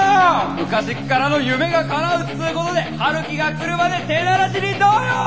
昔っからの夢がかなうっつうことで陽樹が来るまで手慣らしにどうよ？